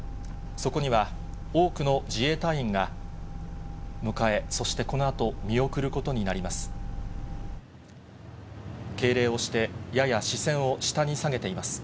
そこには、多くの自衛隊員が迎え、そしてこのあと、見送ることになります。